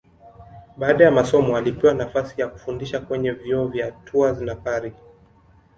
Baada ya masomo alipewa nafasi ya kufundisha kwenye vyuo vya Tours na Paris.